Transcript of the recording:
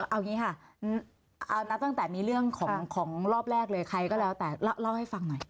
เอาอย่างนี้ค่ะเอานับตั้งแต่มีเรื่องของรอบแรกเลยใครก็แล้วแต่เล่าให้ฟังหน่อย